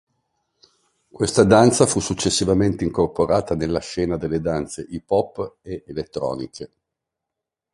Questa danza fu successivamente incorporata nella scena delle danze hip hop e elettroniche.